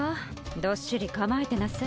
どっしり構えてなさい。